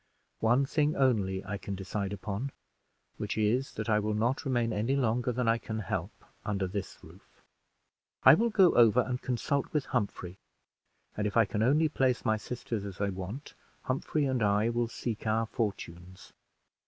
One thing only I can decide upon, which is, that I will not remain any longer than I can help under this roof. I will go over and consult with Humphrey; and if I can only place my sisters as I want, Humphrey and I will seek our fortunes."